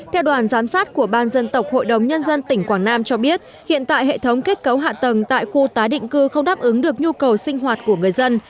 theo đoàn giám sát của ban dân tộc hội đồng nhân dân tỉnh quảng nam cho biết hiện tại hệ thống kết cấu hạ tầng tại khu tái định cư không đáp ứng được nhu cầu sinh hoạt của người dân